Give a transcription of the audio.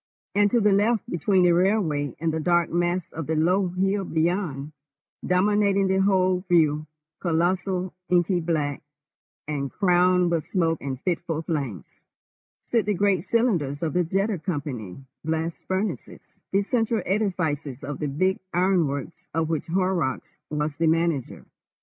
And to the left, between the railway and the dark mass of the low hill beyond, dominating the whole view, colossal, inky black, and crowned with smoke and fitful flames, stood the great cylinders of the Jeddah Company Blast Furnaces, the central edifices of the big ironworks of which Horrocks was the manager.